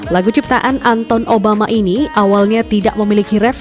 lagu ciptaan anton obama ini awalnya tidak memiliki ref